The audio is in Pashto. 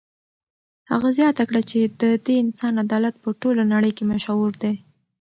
هغه زیاته کړه چې د دې انسان عدالت په ټوله نړۍ کې مشهور دی.